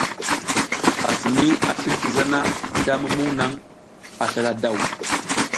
Assimi a slin ti zana da mumuŋ naŋ a slala daw.